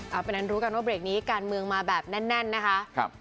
เอาไปนั้นรู้กันว่าเบรกนี้การเมืองมาแบบแน่นแน่นนะคะครับ